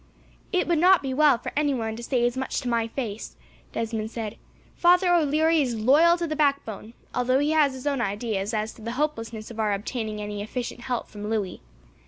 "It would not be well for anyone to say as much to my face," Desmond said. "Father O'Leary is loyal to the backbone, although he has his own ideas as to the hopelessness of our obtaining any efficient help from Louis.